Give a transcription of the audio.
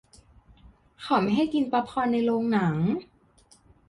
เขาไม่ให้กินป๊อปคอร์นในโรงหนัง